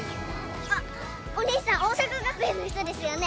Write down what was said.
あっお兄さん桜咲学園の人ですよね？